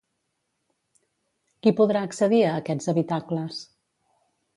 Qui podrà accedir a aquests habitacles?